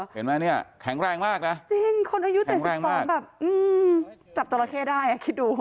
เห็นไหมแข็งแรงมากนะคนอายุแต่๑๒จับโจรเคได้คิดดู